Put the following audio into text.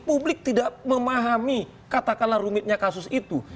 publik tidak memahami katakanlah rumitnya kasus itu